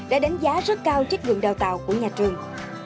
đã đánh giá rất cao chất lượng đào tạo của nhà trường